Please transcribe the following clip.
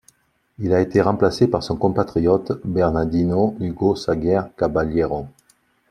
Il a été remplacé par son compatriote Bernardino Hugo Saguier Caballero.